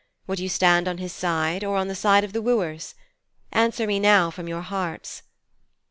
Would you stand on his side, or on the side of the wooers? Answer me now from your hearts.'